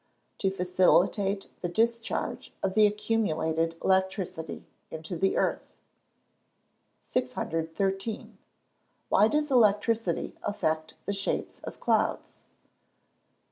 _ To facilitate the discharge of the accumulated electricity into the earth. 613. _Why does electricity affect the shapes of clouds?